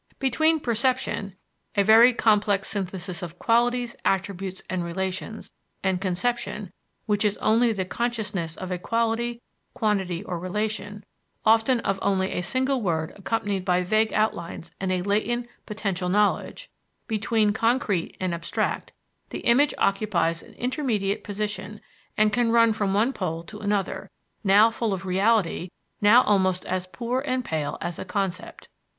Between perception a very complex synthesis of qualities, attributes and relations and conception which is only the consciousness of a quality, quantity, or relation, often of only a single word accompanied by vague outlines and a latent, potential knowledge; between concrete and abstract, the image occupies an intermediate position and can run from one pole to another, now full of reality, now almost as poor and pale as a concept.